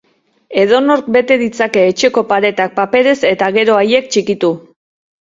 Edonork bete ditzake etxeko paretak paperez, eta gero haiek txikitu.